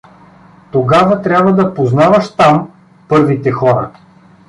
Тогава трябва да познаваш там… първите хора?